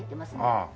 ああ。